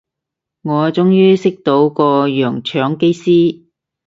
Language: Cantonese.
我終於識到個洋腸機師